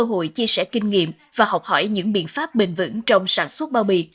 thể chia sẻ kinh nghiệm và học hỏi những biện pháp bền vững trong sản xuất bao bì